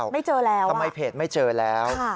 ไม่เจอแล้วทำไมเพจไม่เจอแล้ว